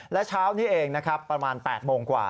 และเช้านี้เองนะครับประมาณ๘โมงกว่า